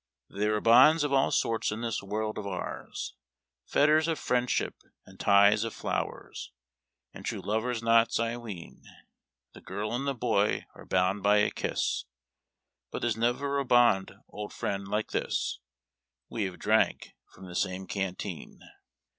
There are bonds of all sorts in this world of ours, Fetters of friendship and ties of tlowers, And true lover's knots, I ween. The girl and the boy are bound by a kiss, But there's never a bond, old friend, like this — We have drank from the same canteen.